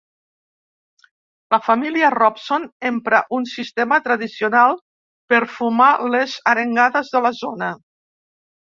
La família Robson empra un sistema tradicional per fumar les arengades de la zona.